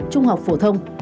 trung học phổ thông